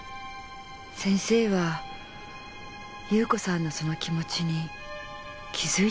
先生は優子さんのその気持ちに気づいてたんですよね？